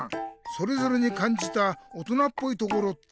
それぞれにかんじた大人っぽいところって